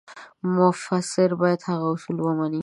مفسر باید هغه اصول ومني.